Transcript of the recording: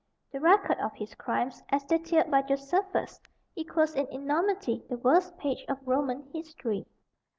The record of his crimes, as detailed by Josephus, equals in enormity the worst page of Roman history.